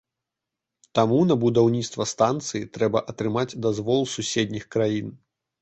Таму на будаўніцтва станцыі трэба атрымаць дазвол суседніх краін.